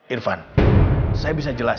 irfan saya bisa jelasin